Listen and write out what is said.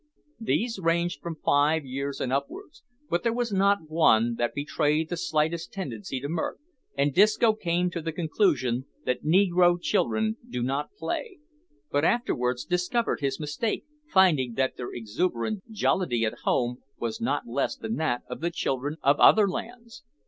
These ranged from five years and upwards, but there was not one that betrayed the slightest tendency to mirth, and Disco came to the conclusion that negro children do not play, but afterwards discovered his mistake, finding that their exuberant jollity "at home" was not less than that of the children of other lands.